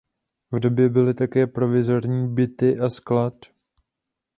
V domě byly také provizorní byty a sklad.